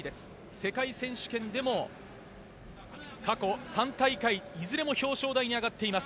世界選手権でも過去３大会いずれも表彰台に上がっています。